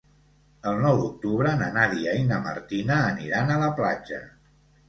El nou d'octubre na Nàdia i na Martina aniran a la platja.